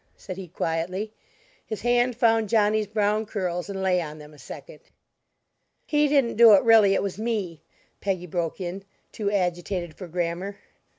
said he quietly; his hand found Johnny's brown curls and lay on them a second. "He didn't do it, really; it was me," Peggy broke in, too agitated for grammar.